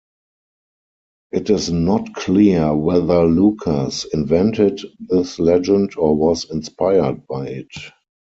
It is not clear whether Lucas invented this legend or was inspired by it.